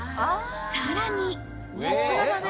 さらに。